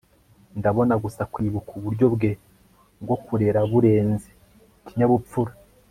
Ndabona gusa kwibuka uburyo bwe bwo kurera burenze ikinyabupfura